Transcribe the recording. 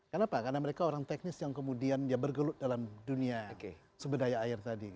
kenapa karena mereka orang teknis yang kemudian ya bergelut dalam dunia sumber daya air tadi